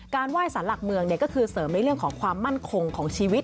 การว่ายศาลหลักเมืองเนี่ยก็คือเสริมในเรื่องของความมั่นคงของชีวิต